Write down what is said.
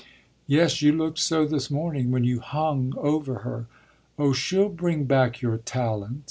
"Yes, you looked so this morning, when you hung over her. Oh she'll bring back your talent!"